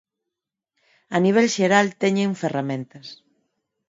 A nivel xeral teñen ferramentas.